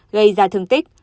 gây ra thương tích